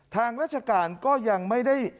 ทางราชการก็ยังไม่ได้